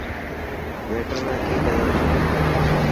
ويٽر نا ڪي ڪيو.